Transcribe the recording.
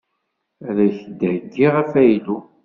Ad ak-d-heyyiɣ afaylu.